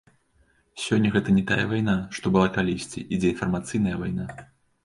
Сёння гэта не тая вайна, што была калісьці, ідзе інфармацыйная вайна.